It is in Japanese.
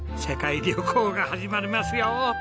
世界旅行が始まりますよ。